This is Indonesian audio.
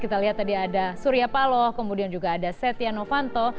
kita lihat tadi ada surya paloh kemudian juga ada setia novanto